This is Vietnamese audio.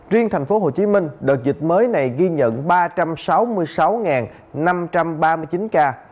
riêng tp hcm đợt dịch mới này ghi nhận ba trăm sáu mươi sáu năm trăm ba mươi chín ca